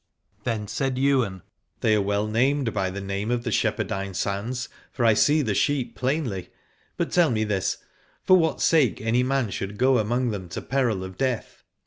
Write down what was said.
Then said Ywain, They are well named by the name of the Shepherdine Sands, for I see the sheep plainly; but tell me this, for what sake any man should go among them to peril of death?